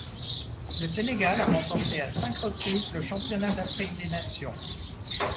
Le Sénégal a remporté à cinq reprises le Championnat d'Afrique des nations.